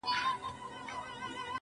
• گراني خبري سوې د وخت ملكې .